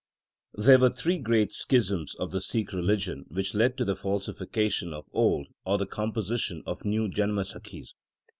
There were three great schisms of the Sikh religion which led to the falsification of old, or the composition of new Janamsakhis.